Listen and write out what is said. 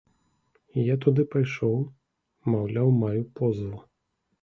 Я туды пайшоў, маўляў маю позву.